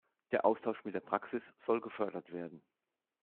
Der Austausch mit der Praxis soll gefördert werden.